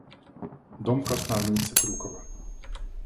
– Дом красноармейца Крюкова.